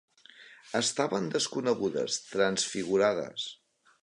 Estaven desconegudes, transfigurades.